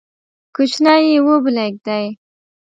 کوچنی یې وبلېږدی،